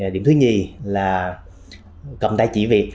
điểm thứ hai là cầm tay chỉ việc